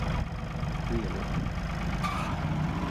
Oui alors.